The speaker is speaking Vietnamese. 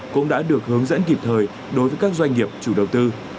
cũng đã được hướng dẫn kịp thời đối với các doanh nghiệp chủ đầu tư